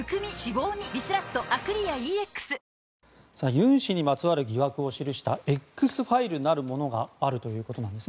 ユン氏にまつわる疑惑を記したＸファイルなるものがあるということです。